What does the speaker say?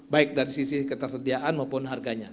baik dari sisi ketersediaan maupun dari sisi penurunan